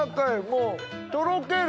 もうとろける！